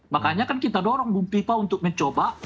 makanya kan kita dorong bung pipa untuk mencoba